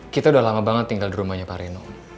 kita udah lama banget tinggal di rumahnya pak reno